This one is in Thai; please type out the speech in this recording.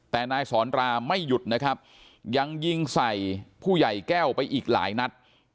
แต่นายสอนราไม่หยุดนะครับยังยิงใส่ผู้ใหญ่แก้วไปอีกหลายนัด